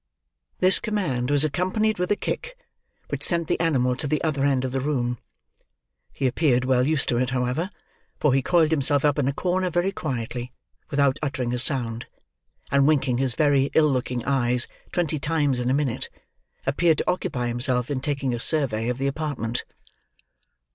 This command was accompanied with a kick, which sent the animal to the other end of the room. He appeared well used to it, however; for he coiled himself up in a corner very quietly, without uttering a sound, and winking his very ill looking eyes twenty times in a minute, appeared to occupy himself in taking a survey of the apartment.